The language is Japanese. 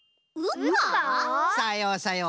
さようさよう。